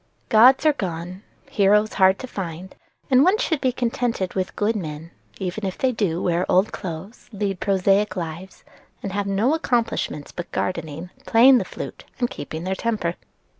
Gods are gone, heroes hard to find, and one should be contented with good men, even if they do wear old clothes, lead prosaic lives, and have no accomplishments but gardening, playing the flute, and keeping their temper."